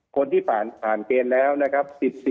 คนที่ผ่านเกณฑ์แล้วนะครับ